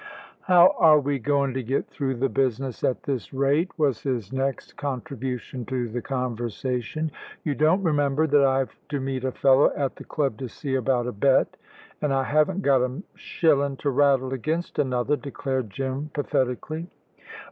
"How are we goin' to get through the business at this rate?" was his next contribution to the conversation. "You don't remember that I've to meet a fellow at the club to see about a bet. An' I haven't got one shillin' to rattle against another," declared Jim, pathetically.